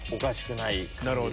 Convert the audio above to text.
なるほど。